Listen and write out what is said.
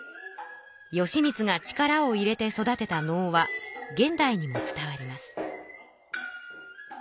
義満が力を入れて育てた能は現代にも伝わります。